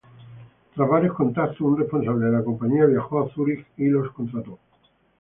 Tras varios contactos, un responsable de la compañía viajó a Zurich y los contrató.